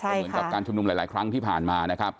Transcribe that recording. เหมือนกับการชุมนุมหลายครั้งที่ผ่านมานะครับ